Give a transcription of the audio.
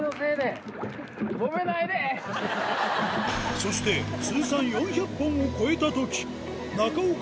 そして通算４００本を超えたとき中岡